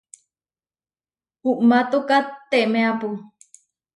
Uʼmátokatemeapu.